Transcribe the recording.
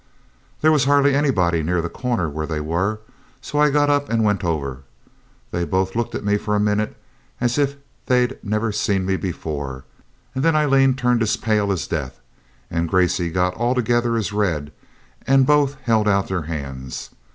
There was hardly anybody near the corner where they were, so I got up and went over. They both looked at me for a minute as if they'd never seen me before, and then Aileen turned as pale as death, and Gracey got altogether as red, and both held out their hands.